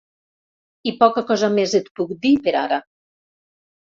I poca cosa més et puc dir per ara.